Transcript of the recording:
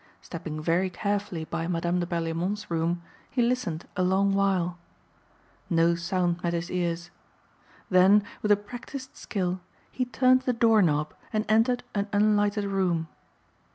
Stepping very carefully by Madame de Berlaymont's room he listened a long while. No sound met his ears. Then with a practiced skill he turned the door knob and entered an unlighted room.